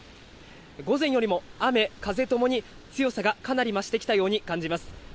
午前よりも雨、風ともに強さがかなり増してきたように感じます。